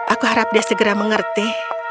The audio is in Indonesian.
aku harap dia segera mengerti